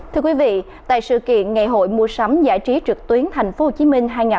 thưa quý vị tại sự kiện ngày hội mua sắm giải trí trực tuyến tp hcm hai nghìn hai mươi bốn